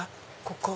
ここ。